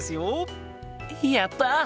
やった！